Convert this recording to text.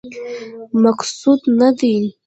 مقصود نه دی.